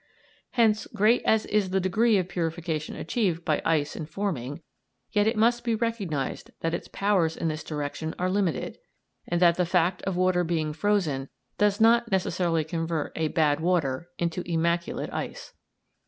Hence great as is the degree of purification achieved by ice in forming, yet it must be recognised that its powers in this direction are limited, and that the fact of water being frozen does not necessarily convert a bad water into immaculate ice.